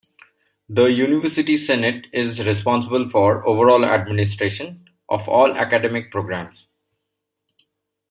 The University Senate is responsible for overall administration, of all academic programs.